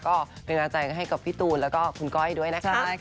ก็เป็นกำลังใจให้กับพี่ตูนแล้วก็คุณก้อยด้วยนะคะ